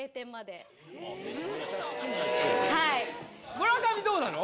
村上どうなの？